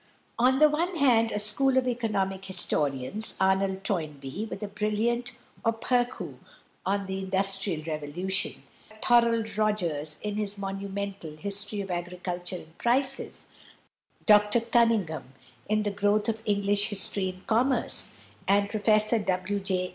On the one hand, a school of economic historians, Arnold Toynbee, with a brilliant aperÁu on "The Industrial Revolution," Thorold Rogers in his monumental "History of Agriculture and Prices," Dr Cunningham, in the "Growth of English History and Commerce," and Professor W. J.